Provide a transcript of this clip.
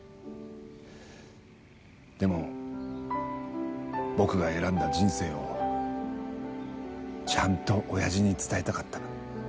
でも僕が選んだ人生をちゃんと親父に伝えたかった。